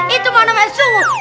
itu mana main serobot